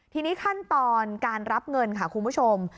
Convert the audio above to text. ทีนี้ขั้นตอนการรับเงินค่ะคุณผู้ชม